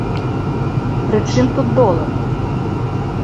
Пры чым тут долар?